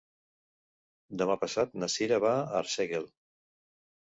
Demà passat na Cira va a Arsèguel.